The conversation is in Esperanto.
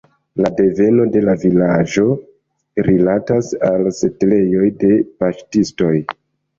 La deveno de la vilaĝo rilatas al setlejoj de paŝtistoj.